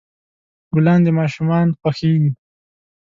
ګلان د ماشومان خوښیږي.